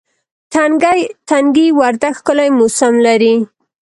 تنگي وردک ښکلی موسم لري